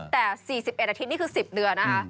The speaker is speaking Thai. แต่๔๑อาทิตย์นี่คือ๑๐เดือนนะคะ